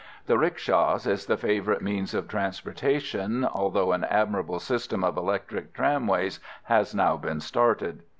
The riksha is the favourite means of transportation, although an admirable system of electric tramways has now been started.